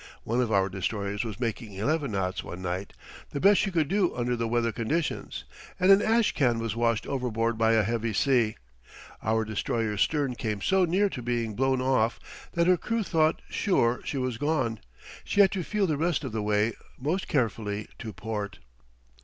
One of our destroyers was making 11 knots one night the best she could do under the weather conditions and an ash can was washed overboard by a heavy sea. Our destroyer's stern came so near to being blown off that her crew thought sure she was gone; she had to feel the rest of the way most carefully to port.